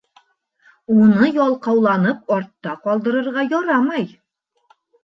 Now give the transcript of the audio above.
Уны ялҡауланып артта ҡалдырырға ярамай.